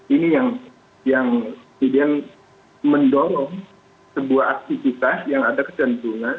ini yang kemudian mendorong sebuah aktivitas yang ada kecenderungan